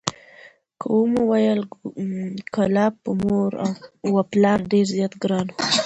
لکه ومو ویل کلاب په مور و پلار ډېر زیات ګران و،